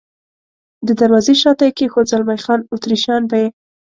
د دروازې شاته یې کېښود، زلمی خان: اتریشیان به یې.